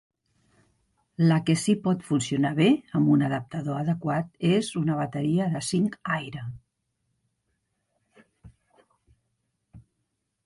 La que si pot funcionar bé, amb un adaptador adequat, és una bateria de zinc-aire.